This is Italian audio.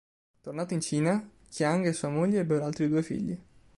Tornato in Cina, Chiang e sua moglie ebbero altri due figli.